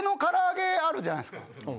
あるじゃないですか。